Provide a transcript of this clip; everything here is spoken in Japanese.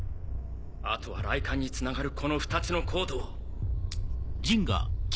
あとは雷管につながるこの２つのコードを。